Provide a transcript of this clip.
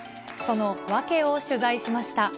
その訳を取材しました。